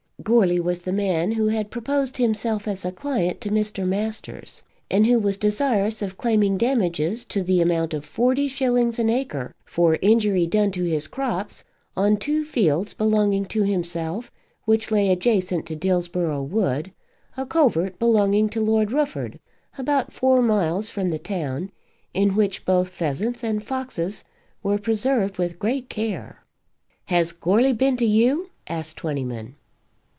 Goarly was the man who had proposed himself as a client to Mr. Masters, and who was desirous of claiming damages to the amount of forty shillings an acre for injury done to the crops on two fields belonging to himself which lay adjacent to Dillsborough Wood, a covert belonging to Lord Rufford, about four miles from the town, in which both pheasants and foxes were preserved with great care. "Has Goarly been to you?" asked Twentyman.